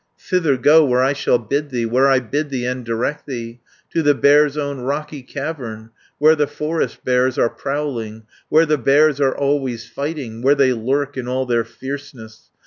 Thither go, where I shall bid thee, Where I bid thee, and direct thee, To the Bear's own rocky cavern, Where the forest bears are prowling, Where the bears are always fighting, Where they lurk in all their fierceness.